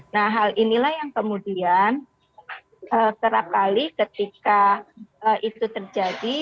nah hal inilah yang kemudian terapali ketika itu terjadi